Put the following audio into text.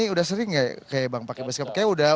udah menjiwai gitu ya